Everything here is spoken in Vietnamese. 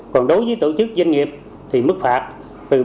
còn đối với tổ chức doanh nghiệp thì mức phạt từ ba mươi hai ba mươi sáu triệu đồng